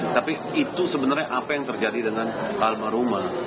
tapi itu sebenarnya apa yang terjadi dengan almarhumah